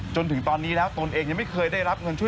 จนถึงตอนนี้แล้วตนเองยังไม่เคยได้รับเงินช่วย